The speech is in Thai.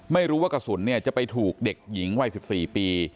ไม่รู้ว่ากระสุนจะไปถูกเด็กหญิงวัย๑๔ปี